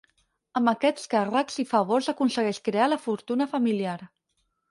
Amb aquests càrrecs i favors aconsegueix crear la fortuna familiar.